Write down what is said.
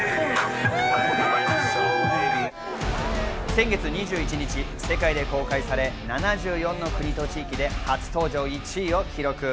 先月２１日、世界で公開され、７４の国と地域で初登場１位を記録。